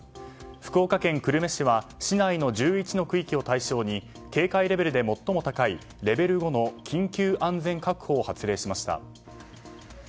福岡県久留米市は市内の１１の区域を対象に警戒レベルで最も高いレベル５の緊急安全確保を発令しました。